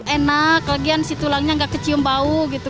enak lagian si tulangnya nggak kecium bau gitu